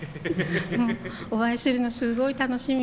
お会いするのすごい楽しみにしてて。